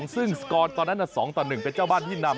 ซึ่งสกรตอนนั้น๒ต่อ๑เป็นเจ้าบ้านที่นำ